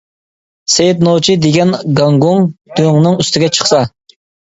سېيىت نوچى دېگەن گاڭگۇڭ، دۆڭنىڭ ئۈستىگە چىقسا.